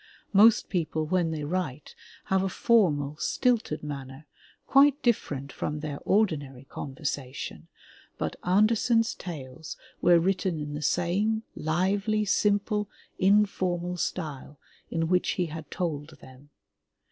Most people when they write have a formal, stilted manner, quite different from their ordinary conversation, but Andersen's tales were written in the same lively, simple, informal style in which he had told them.